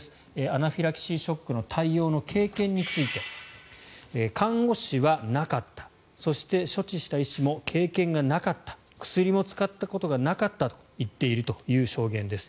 アナフィラキシーショックの対応の経験について看護師はなかったそして、処置した医師も経験がなかった薬も使ったことがなかったという証言です。